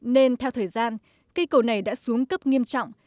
nên theo thời gian cây cầu này đã xuống cấp nghiêm trọng